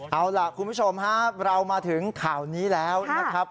เอาล่ะคุณผู้ชมครับเรามาถึงข่าวนี้แล้วนะครับ